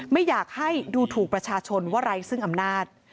ไม่อยากให้ดูถูกประชาชนว่าไร้ซึ่งอำนาจ